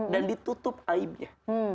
dan ditutup aibnya